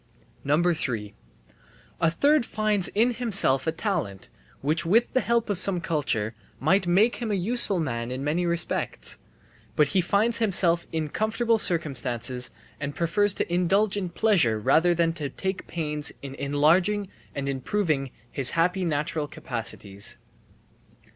3. A third finds in himself a talent which with the help of some culture might make him a useful man in many respects. But he finds himself in comfortable circumstances and prefers to indulge in pleasure rather than to take pains in enlarging and improving his happy natural capacities.